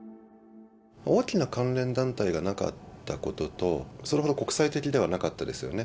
大きな関連団体がなかったことと、それほど国際的ではなかったですよね。